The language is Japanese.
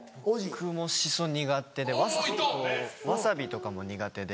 僕もシソ苦手でワサビとかも苦手で。